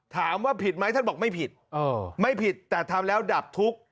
ถามว่าผิดไหมท่านบอกไม่ผิดไม่ผิดแต่ทำแล้วดับทุกข์